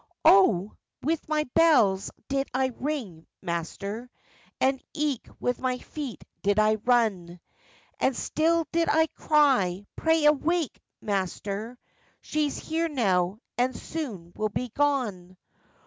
'O! with my bells did I ring, master, And eke with my feet did I run; And still did I cry, pray awake! master, She's here now, and soon will be gone.